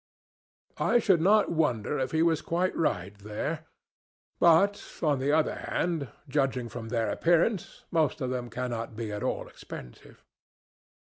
"I should not wonder if he was quite right there. But, on the other hand, judging from their appearance, most of them cannot be at all expensive."